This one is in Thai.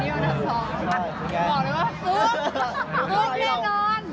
ฟุทฯแแลนนอน